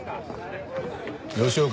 吉岡